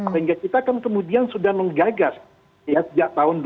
sehingga kita kan kemudian sudah menggagas ya sejak tahun dua ribu